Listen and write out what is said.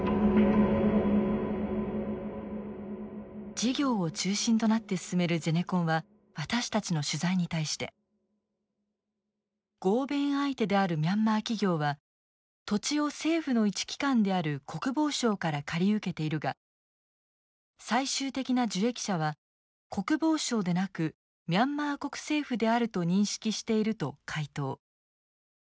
事業を中心となって進めるゼネコンは私たちの取材に対して「合弁相手であるミャンマー企業は土地を政府の一機関である国防省から借り受けているが最終的な受益者は国防省でなくミャンマー国政府であると認識している」と回答。